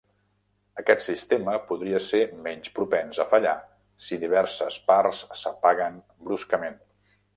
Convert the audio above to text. Aquest sistema podria ser menys propens a fallar si diverses parts s'apaguen bruscament.